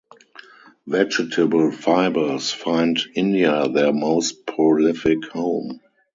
Vegetable fibres find India their most prolific home.